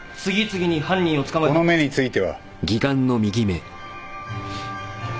この目については？